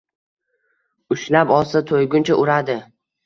Ushlab olsa, to'yguncha uradi.